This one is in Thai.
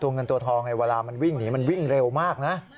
เงินตัวทองเวลามันวิ่งหนีมันวิ่งเร็วมากนะ